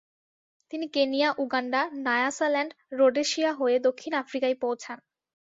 তিনি Kenya, Uganda, Nyasaland, Rhodesia হয়ে দক্ষিণ আফ্রিকায় পৌঁছান।